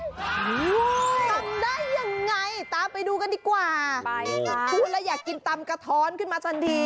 ทำได้ยังไงตามไปดูกันดีกว่าไปค่ะพูดแล้วอยากกินตำกระท้อนขึ้นมาทันที